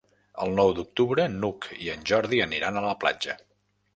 El nou d'octubre n'Hug i en Jordi aniran a la platja.